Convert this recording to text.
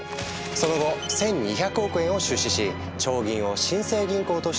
その後１，２００億円を出資し長銀を新生銀行として再建。